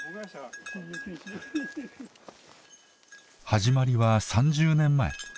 始まりは３０年前。